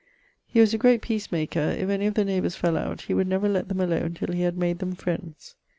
He was a great peace maker; if any of the neighbours fell out, he would never lett them alone till he had made them friends.